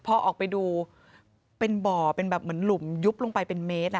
พอออกไปดูเป็นบ่อเป็นแบบเหมือนหลุมยุบลงไปเป็นเมตร